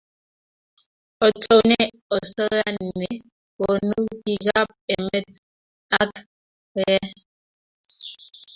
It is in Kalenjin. Otoune osoya nekonu bikap emet ak k